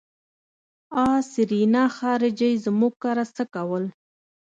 آ سېرېنا خارجۍ زموږ کره څه کول.